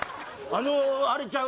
あのあれちゃう？